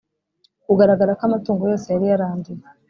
Kugaragara ko amatungo yose yari yaranduye